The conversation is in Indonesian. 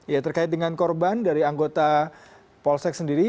ya terkait dengan korban dari anggota polsek sendiri